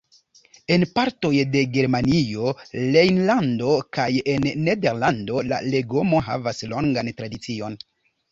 En partoj de Germanio, Rejnlando kaj en Nederlando la legomo havas longan tradicion.